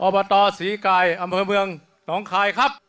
ตศรีกายอำเภอเมืองหนองคายครับ